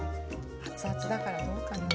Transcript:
熱々だからどうかな？